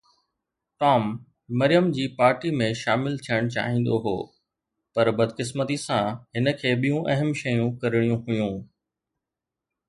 Tom Maryam جي party ۾ شامل ٿيڻ چاهيندو هو پر بدقسمتي سان هن کي ٻيون اهم شيون ڪرڻيون هيون.